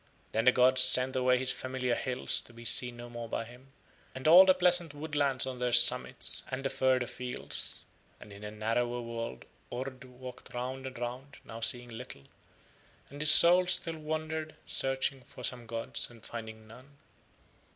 Then the gods sent away his familiar hills, to be seen no more by him, and all the pleasant woodlands on their summits and the further fields; and in a narrower world Ord walked round and round, now seeing little, and his soul still wandered searching for some gods and finding none.